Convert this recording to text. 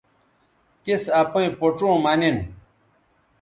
تِس اپئیں پوڇوں مہ نن